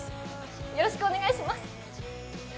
よろしくお願いします。